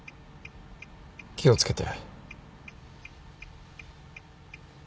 気を付けて。